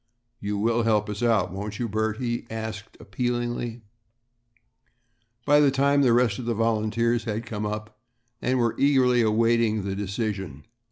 "You will help us out, won't you, Bert?" he asked appealingly. By this time the rest of the volunteers had come up and were eagerly awaiting the decision.